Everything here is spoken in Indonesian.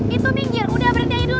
itu minggir udah berhenti dulu